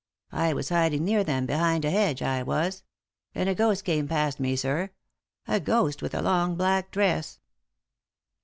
I was hiding near them behind a hedge, I was; and a ghost came past me, sir a ghost with a long black dress."